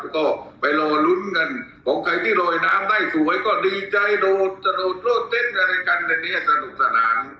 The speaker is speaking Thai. ก็ไปรอลุ้นกันของใครที่ลอยน้ำได้สวยก็ดีใจโดดจะโดดโลดเต้นอะไรกันอย่างนี้สนุกสนาน